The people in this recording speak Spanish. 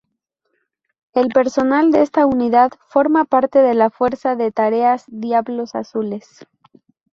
El personal de esta unidad forma parte de la Fuerza de Tareas Diablos Azules.